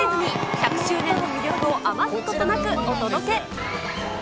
１００周年の魅力を余すことなくお届け。